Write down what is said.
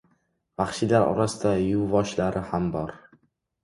Vahshiylar orasida yuvvoshlari ham bor.